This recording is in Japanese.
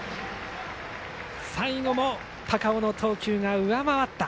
最後も高尾の投球が上回った。